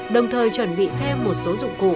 đồng thời chuẩn bị thêm một số dụng cụ